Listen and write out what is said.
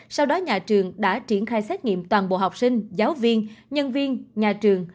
sau đó nhà trường đã triển khai xét nghiệm toàn bộ học sinh giáo viên nhân viên nhà trường